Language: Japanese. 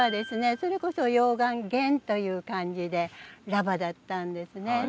それこそ溶岩原という感じで「ラバ」だったんですね。